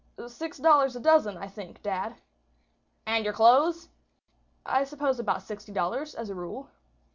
"Six dollars a dozen, I think, dad." "And your clothes?" "I suppose about sixty dollars, as a rule."